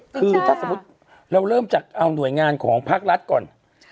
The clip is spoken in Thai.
คือถ้าสมมุติเราเริ่มจากเอาหน่วยงานของภาครัฐก่อน